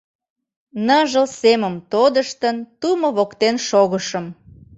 Ныжыл семым тодыштын, Тумо воктен шогышым.